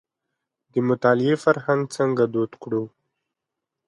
د مطالعې فرهنګ څنګه دود کړو.